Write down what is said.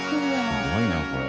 すごいなこれ。